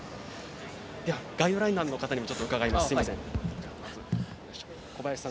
ガイドランナーの方にも伺います。